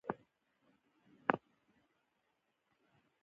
زړه یې درد وکړ چې په پردیسي کې مې مړ کړ.